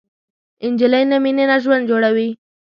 نجلۍ له مینې نه ژوند جوړوي.